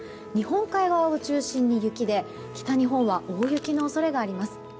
日本海側を中心に雪で北日本は大雪の恐れがあります。